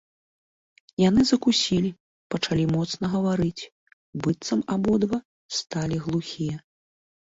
Яны закусілі, пачалі моцна гаварыць, быццам абодва сталі глухія.